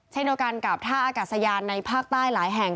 เช่นเดียวกันกับท่าอากาศยานในภาคใต้หลายแห่ง